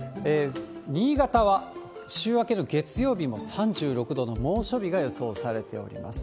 新潟は週明けの月曜日も３６度の猛暑日が予想されております。